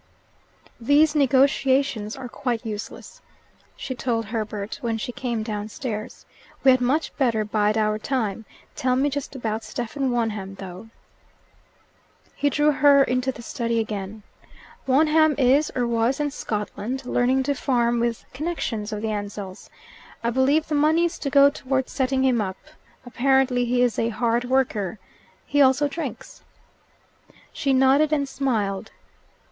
"These negotiations are quite useless," she told Herbert when she came downstairs. "We had much better bide our time. Tell me just about Stephen Wonham, though." He drew her into the study again. "Wonham is or was in Scotland, learning to farm with connections of the Ansells: I believe the money is to go towards setting him up. Apparently he is a hard worker. He also drinks!" She nodded and smiled.